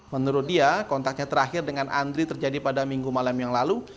menurut dia kontaknya terakhir dengan andri terjadi pada minggu malam yang lalu